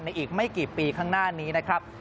อีกไม่กี่ปีข้างหน้านี้นะครับ